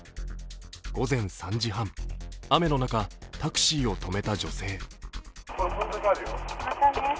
午前３時半、雨の中、タクシーを止めた女性。